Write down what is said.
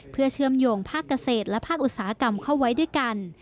เพื่อเชื่อมโยงภาคเกษตรและภาคอุตสาหกรรมเข้าไว้ด้วยกัน